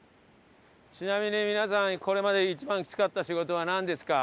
ちなみに皆さんこれまで一番きつかった仕事はなんですか？